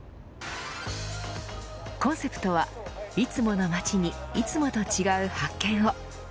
コンセプトは、いつもの街にいつもと違う発見を。